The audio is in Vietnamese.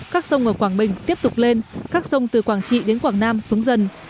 các sông ở quảng bình tiếp tục lên các sông từ quảng trị đến quảng nam xuống dần